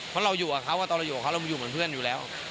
เพราะเราอยู่กับเขาตอนเราอยู่กับเขาเราอยู่เหมือนเพื่อนอยู่แล้ว